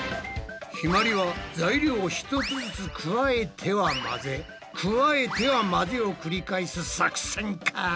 ひまりは材料を１つずつ加えては混ぜ加えては混ぜを繰り返す作戦か？